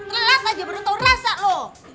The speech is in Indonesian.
lelas aja baru tau rasa lu